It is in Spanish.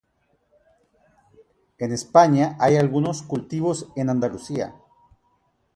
En España hay algunos cultivos en Andalucía.